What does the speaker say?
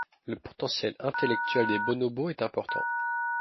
Le potentiel intellectuel des bonobos est important.